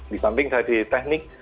di samping dari teknik